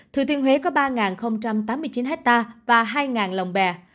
thủy thiên huế có ba tám mươi chín ha và hai lồng bè